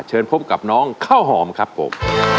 เชิญพบกับน้องข้าวหอมครับผม